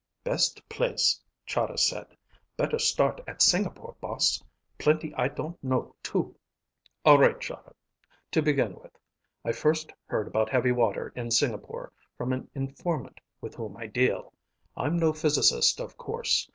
"Best place," Chahda said. "Better start at Singapore, boss. Plenty I don't know, too." "All right, Chahda. To begin with, I first heard about heavy water in Singapore from an informant with whom I deal. I'm no physicist, of course.